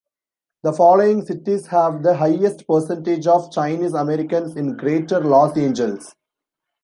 The following cities have the highest percentage of Chinese-Americans in Greater Los Angeles.